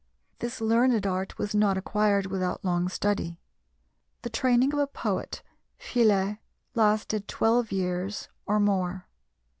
This learned art was not acquired without long study. The training of a poet (filé) lasted twelve years, or more.